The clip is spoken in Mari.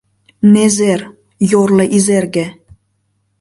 Незер, йорло Изерге